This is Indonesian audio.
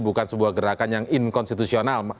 bukan sebuah gerakan yang inkonstitusional